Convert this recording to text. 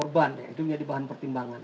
korban ya itu menjadi bahan pertimbangan